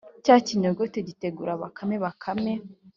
cya kinyogote gitegura bakame. bakame